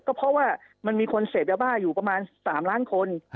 ก็เพราะว่ามันมีคนเสพยาบ้าอยู่ประมาณ๓ล้านคน